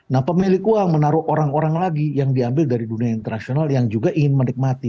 nah pemilik uang menaruh orang orang lagi yang diambil dari dunia internasional yang juga ingin menikmati